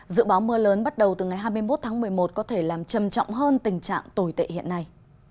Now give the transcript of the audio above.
dự báo mưa lớn bắt đầu từ ngày hai mươi một tháng một mươi một có thể làm trầm trọng hơn tình trạng tồi tệ hiện nay